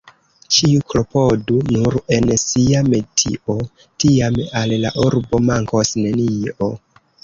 Ĉiu klopodu nur en sia metio, tiam al la urbo mankos nenio.